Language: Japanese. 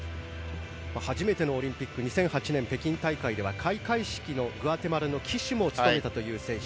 初めてのオリンピック２００８年北京オリンピックでは開会式のグアテマラの旗手も務めたという選手。